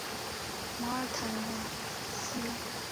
马尔坦瓦斯。